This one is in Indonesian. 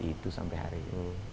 itu sampai hari ini